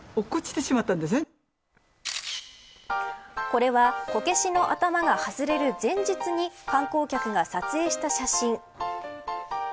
これはこけしの頭が外れる前日に観光客が撮影した写真。